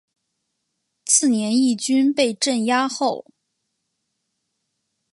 次年义军被镇压后。